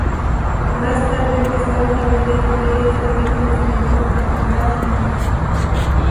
Más tarde empezaron a venir familias de origen español a fundar fincas.